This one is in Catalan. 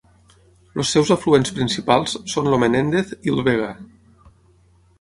Els seus afluents principals són el Menéndez i el Vega.